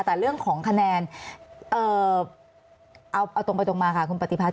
แต่เรื่องของคะแนนเอาตรงไปตรงมาค่ะคุณปฏิพัฒน